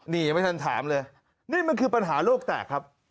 นี่ยังไม่ทันถามเลยนี่มันคือปัญหาโลกแตกครับ